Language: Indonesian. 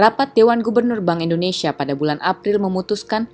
rapat dewan gubernur bank indonesia pada bulan april memutuskan